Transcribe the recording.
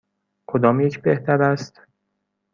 کدام یک بهتر است؟